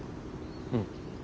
うん。